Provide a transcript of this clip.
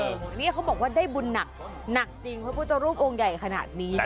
นี่เขาบอกว่าได้บุญหนักหนักจริงพระพุทธรูปองค์ใหญ่ขนาดนี้